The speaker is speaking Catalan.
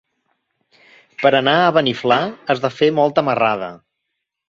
Per anar a Beniflà has de fer molta marrada.